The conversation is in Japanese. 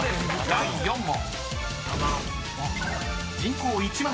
［第４問］